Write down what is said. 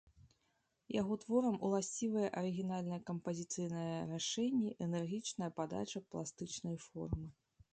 Яго творам уласцівыя арыгінальныя кампазіцыйныя рашэнні, энергічная падача пластычнай формы.